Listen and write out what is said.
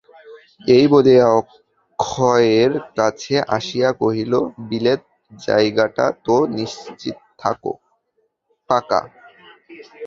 এই বলিয়া অক্ষয়ের কাছে আসিয়া কহিল, বিলেত যাওয়াটা তো নিশ্চয় পাকা?